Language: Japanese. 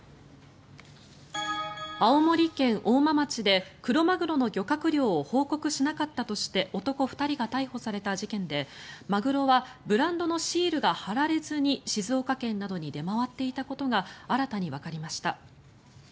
青森県大間町でクロマグロの漁獲量を報告しなかったとして男２人が逮捕された事件でマグロはブランドのシールが貼られずに静岡県などに出回っていたことが新たにわかりました。